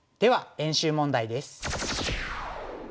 練習問題です。